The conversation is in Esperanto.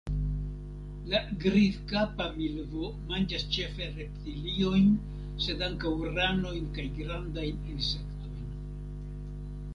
La Grizkapa milvo manĝas ĉefe reptiliojn, sed ankaŭ ranojn kaj grandajn insektojn.